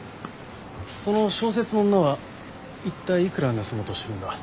その小説の女は一体いくら盗もうとしてるんだ？